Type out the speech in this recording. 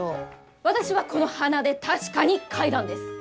私はこの鼻で確かに嗅いだんです！